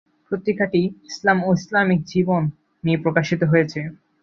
পত্রিকাটি ইসলাম ও ইসলামিক জীবন নিয়ে প্রকাশিত হয়েছে।